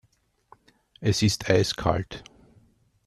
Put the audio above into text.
Es ist eiskalt.